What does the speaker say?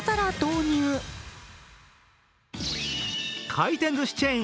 回転ずしチェーン